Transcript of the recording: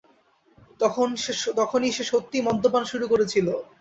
তখনই সে সত্যিই মদ্যপান শুরু করেছিল।